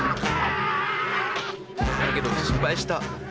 だけど失敗した。